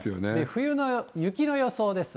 冬の雪の予想です。